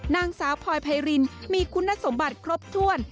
นางสาวพลอยไพรินมีคุณสมบัติครบถ้วน